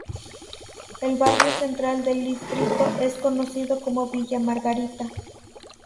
El barrio central del distrito es conocido como Villa Margarita.